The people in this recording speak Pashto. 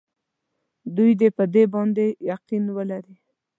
دوی دې په دې باندې یقین ولري.